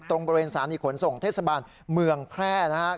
ตรงบริเวณสานิขนส่งเทศบาลเมืองแพร่นะฮะ